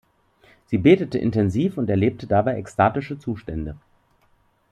Sie betete intensiv und erlebte dabei ekstatische Zustände.